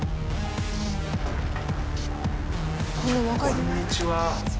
こんにちは。